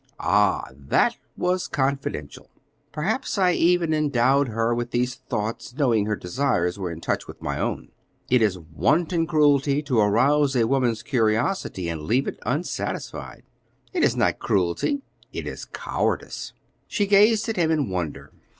"Ah, that was confidential. Perhaps I even endowed her with these thoughts, knowing her desires were in touch with my own." "It is wanton cruelty to arouse a woman's curiosity and leave it unsatisfied." "It is not cruelty; it is cowardice." She gazed at him in wonder.